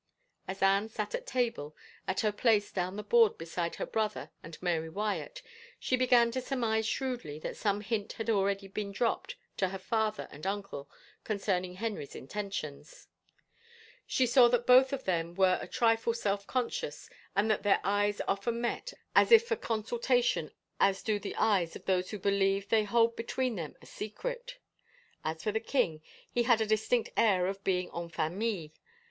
..." As Anne sat at table, at her place down the board beside her brother and Mary Wyatt, she began to surmise shrewdly that some hint had been already dropped to her father and uncle concerning Henry's intentions. She ii8 SECOND THOUGHTS saw that both of them were a trifle self conscious and that their eyes often met as if for consultation as do the eyes of those who believe they hold between them a secret. As for the king, he had a distinct air of being en famille.